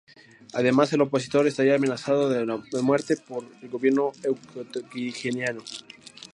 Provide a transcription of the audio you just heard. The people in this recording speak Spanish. Además, el opositor estaría amenazado de muerte por el gobierno ecuatoguineano.